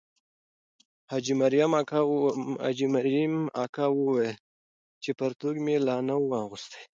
حاجي مریم اکا وویل چې پرتوګ مې لا نه وو اغوستی.